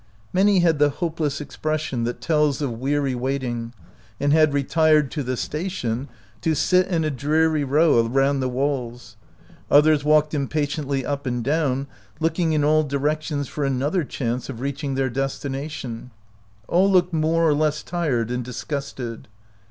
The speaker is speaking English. Many had the hopeless expression that tells of weary waiting, and had retired to the station to sit in a dreary row around the walls; others walked impatiently up and down, looking in all directions for another chance of reaching 39 OUT OF BOHEMIA their destination. All looked more or less tired and disgusted.